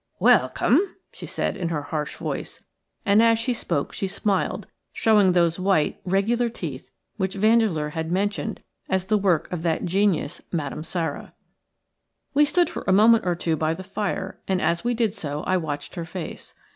"Welcome!" she said, in her harsh voice, and as she spoke she smiled, showing those white, regular teeth which Vandeleur had mentioned as the work of that genius, Madame Sara. We stood for a moment or two by the fire, and as we did so I watched her face.